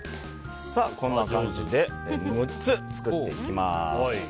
こんな感じで６つ作っていきます。